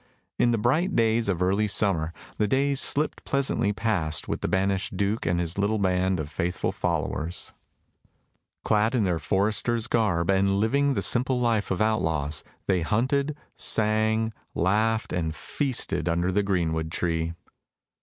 In the bright days of early summer the days slipped pleasantly past with the banished Duke and his little band of faithful followers. Clad in their foresters' garb, and living the simple life of outlaws, they hunted, sang, laughed, and feasted under the greenwood tree.